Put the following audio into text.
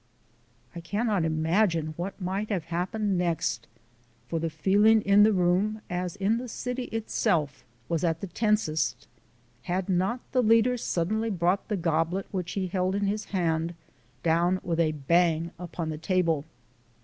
I cannot imagine what might have happened next, for the feeling in the room, as in the city itself, was at the tensest, had not the leader suddenly brought the goblet which he held in his hand down with a bang upon the table.